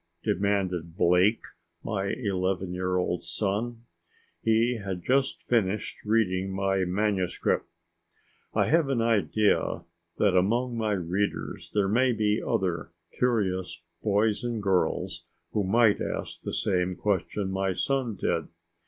demanded Blake, my eleven year old son. He had just finished reading my manuscript. I have an idea that among my readers there may be other curious boys and girls who might ask the same question my son did.